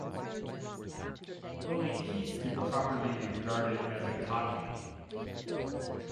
Only Keats could properly be regarded as a cockney.